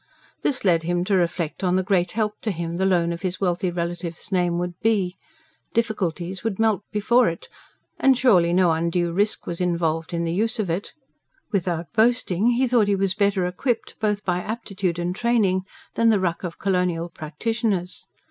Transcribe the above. This led him to reflect on the great help to him the loan of his wealthy relative's name would be: difficulties would melt before it. And surely no undue risk was involved in the use of it? Without boasting, he thought he was better equipped, both by aptitude and training, than the ruck of colonial practitioners.